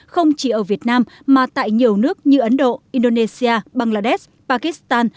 không chỉ ở việt nam mà tại nhiều nước như ấn độ indonesia bangladesh pakistan